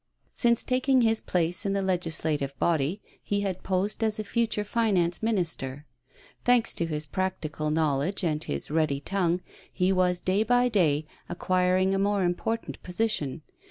Since taking his place in the Legislative Body, he had posed as a future Finance Minister. Thanks to his practical knowledge and his ready tongue, he was day by day acquiring a more important position.